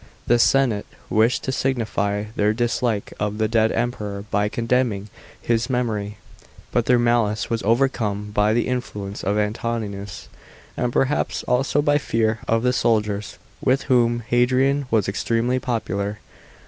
The senate wished to signify their dislike of the dead Emperor by condemning his memory, but their malice was overcome by the influence of Antoninus, and perhaps also by fear of the soldiers, with whom Hadrian was extremely popular.